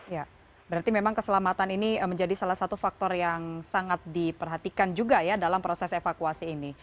ya berarti memang keselamatan ini menjadi salah satu faktor yang sangat diperhatikan juga ya dalam proses evakuasi ini